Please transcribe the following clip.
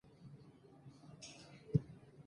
هنر هم په ساده والي کې دی.